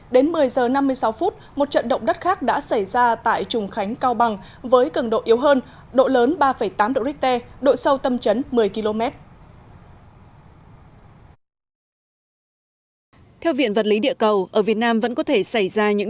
đến một mươi giờ năm mươi sáu phút một trận động đất khác đã xảy ra tại trùng khánh cao bằng với cường độ yếu hơn độ lớn ba tám độ richter độ sâu tâm chấn một mươi km